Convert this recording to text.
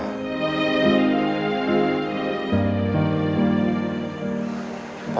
kamu harus bersikap lebih mudah